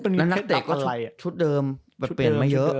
นักเตะก็ชุดเดิมเปลี่ยนไม่เยอะ